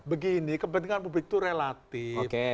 begini kepentingan publik itu relatif